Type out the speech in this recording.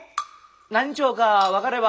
何町か分かれば。